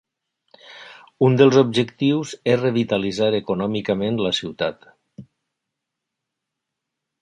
Un dels objectius és revitalitzar econòmicament la ciutat.